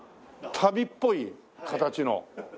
足袋っぽい形の。